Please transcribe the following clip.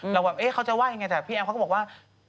แบบเขาจะว่ายังไงแต่พี่แอมเขาก็บอกว่า